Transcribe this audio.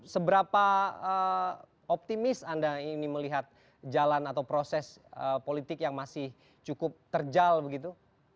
seberapa optimis anda ini melihat jalan atau proses politik yang masih cukup terjal begitu